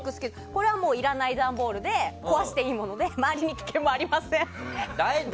これはもういらない段ボールで壊していいもので周りに危険もありません。